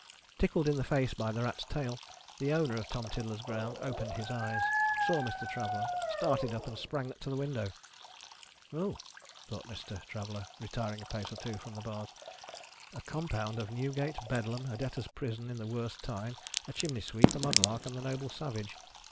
Tickled in the face by the rat's tail, the owner of Tom Tiddler's ground opened his eyes, saw Mr. Traveller, started up, and sprang to the window. "Humph!" thought Mr. Traveller, retiring a pace or two from the bars. "A compound of Newgate, Bedlam, a Debtors' Prison in the worst time, a chimney sweep, a mudlark, and the Noble Savage!